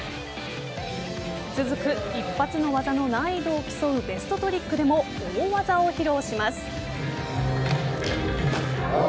続く一発の技の難易度を競うベストトリックでも大技を披露します。